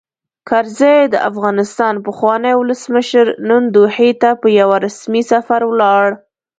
کرزی؛ د افغانستان پخوانی ولسمشر، نن دوحې ته په یوه رسمي سفر ولاړ.